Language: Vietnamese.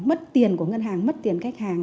mất tiền của ngân hàng mất tiền khách hàng